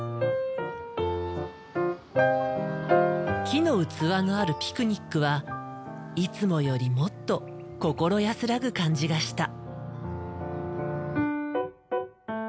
木の器があるピクニックはいつもよりもっと心安らぐ感じがした。